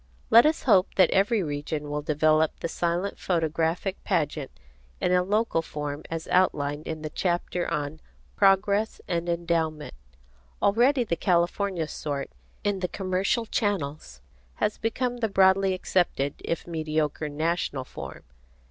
Let us hope that every region will develop the silent photographic pageant in a local form as outlined in the chapter on Progress and Endowment. Already the California sort, in the commercial channels, has become the broadly accepted if mediocre national form.